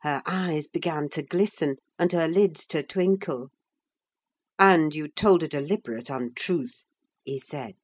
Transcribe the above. Her eyes began to glisten and her lids to twinkle. "And you told a deliberate untruth!" he said.